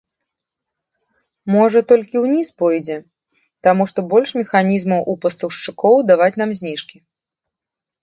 Можа, толькі ўніз пойдзе, таму што больш механізмаў у пастаўшчыкоў даваць нам зніжкі.